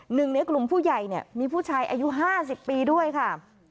หนึ่งในกลุ่มผู้ใหญ่เนี่ยมีผู้ชายอายุ๕๐ปีด้วยค่ะ